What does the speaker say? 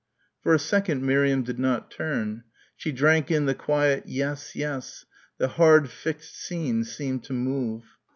For a second Miriam did not turn. She drank in the quiet "yes, yes," the hard fixed scene seemed to move.